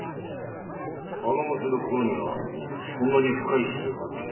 あの娘の心にはそんなに深い傷があったのか。